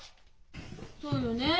そうよねえ。